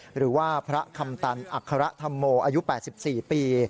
หรือว่าพระคำตันอัครธรรมโมอายุ๘๔ปี